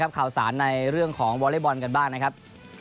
ข่าวสารในเรื่องของวอเล็กบอลกันบ้างนะครับ